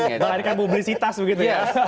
mengharikan publisitas begitu ya